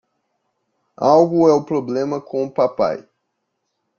Algo é o problema com o papai.